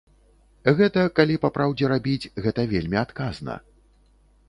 Гэта, калі па-праўдзе рабіць, гэта вельмі адказна.